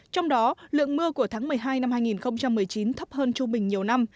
trong đó lượng mưa của tháng một mươi hai năm hai nghìn một mươi chín thấp hơn trung bình nhiều năm